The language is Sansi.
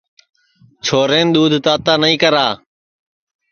چھورین دؔودھ تاتا نائی کرا